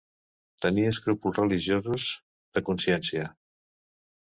Tenir escrúpols religiosos, de consciència.